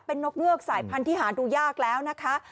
เป็นนกเงือกสายพันธุ์ที่หาดูยากแล้วนะคะ